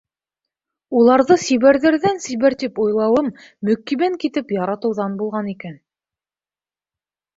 Уларҙы сибәрҙәрҙән-сибәр тип уйлауым мөкиббән китеп яратыуҙан булған икән.